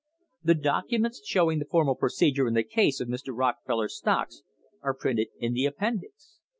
The documents showing the formal procedure in the case of Mr. Rockefeller's stocks are printed in the Appendix.